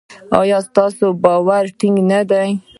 ایا ستاسو باور ټینګ نه دی؟